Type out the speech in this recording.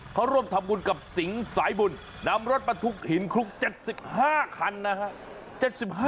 เขาร่วมทำบุญกับสิงห์สายบุญนำรถบรรทุกหินคลุก๗๕คันนะฮะ